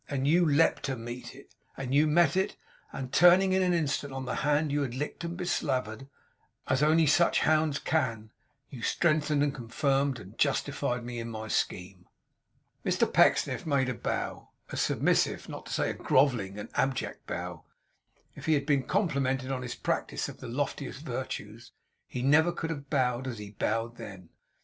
And you leaped to meet it; and you met it; and turning in an instant on the hand you had licked and beslavered, as only such hounds can, you strengthened, and confirmed, and justified me in my scheme.' Mr Pecksniff made a bow; a submissive, not to say a grovelling and an abject bow. If he had been complimented on his practice of the loftiest virtues, he never could have bowed as he bowed then.